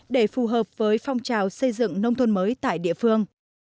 để phù hợp với phong trào xây dựng nông thôn mới tại địa phương